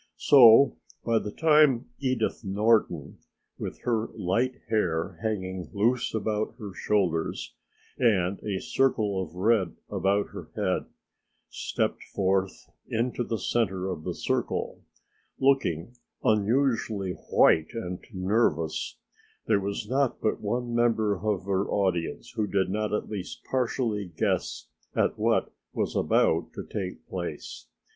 So by the time Edith Norton, with her light hair hanging loose about her shoulders and a circle of red about her head, stepped forth into the center of the circle, looking unusually white and nervous, there was not but one member of her audience who did not at least partially guess at what was about to take place.